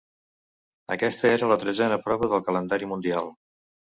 Aquesta era la tretzena prova del Calendari mundial.